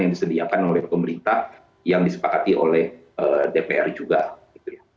yang disediakan oleh pemerintah yang disepakati oleh dpr juga gitu ya